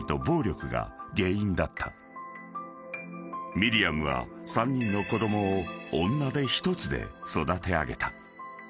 ［ミリアムは３人の子供を女手一つで育て上げた］